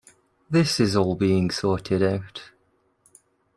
This is all being sorted out.